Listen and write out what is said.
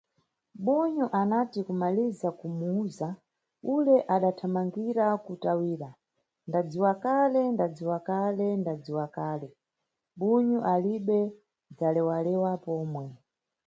Bunyu anati kumaliza kumuwuza ule adathamangiratu kutawira: Ndadziwakale, ndadziwakale, ndadziwakale, bunyu alibe dzalewalewa pomwe.